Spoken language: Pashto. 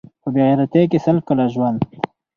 په بې غیرتۍ کې سل کاله ژوند